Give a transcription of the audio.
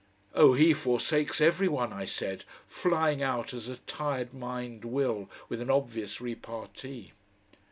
"Oh, HE forsakes every one," I said, flying out as a tired mind will, with an obvious repartee....